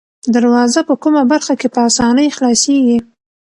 دروازه په کومه برخه کې په آسانۍ خلاصیږي؟